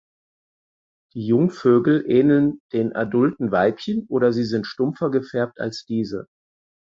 Die Jungvögel ähneln den adulten Weibchen oder sie sind stumpfer gefärbt als diese.